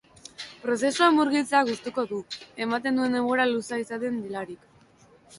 Prozesuan murgiltzea gustuko du, ematen duen denbora luzea izaten delarik.